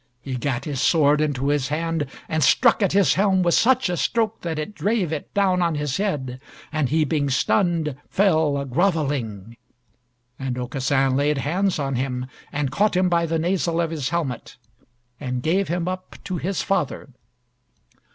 He gat his sword into his hand, and struck at his helm with such a stroke that it drave it down on his head, and he being stunned, fell groveling. And Aucassin laid hands on him, and caught him by the nasal of his helmet, and gave him up to his father.